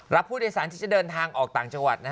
รับผู้โดยสารที่จะเดินทางออกต่างจังหวัด